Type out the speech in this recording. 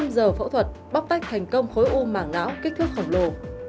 năm giờ phẫu thuật bóc tách thành công khối u màng não kích thước khổng lồ